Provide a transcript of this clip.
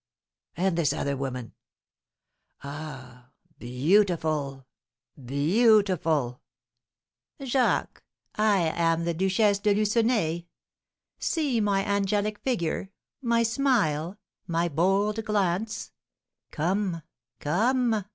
And this other woman? ah, beautiful, beautiful! Jacques, I am the Duchesse de Lucenay. See my angelic figure, my smile, my bold glance! Come, come!